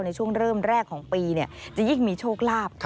ในช่วงเริ่มแรกของปีจะยิ่งมีโชคลาภ